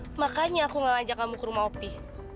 tapi makanya aku gak ajak kamu ke rumah opi